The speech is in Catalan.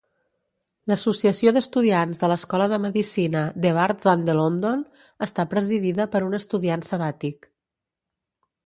L'associació d'estudiants de l'escola de medicina The Barts and The London està presidida per un estudiant sabàtic.